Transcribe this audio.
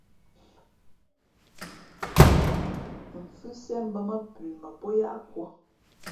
Mfhʉ́síé mbᾱ mά pʉ mα pó yáʼ kūᾱ.